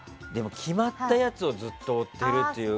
決まったやつをずっと追ってるというか。